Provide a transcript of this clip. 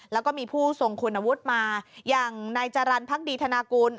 แล้วก็มีผู้ทรงคุณวุฒิมาอย่างนายจรรย์พักดีธนากุล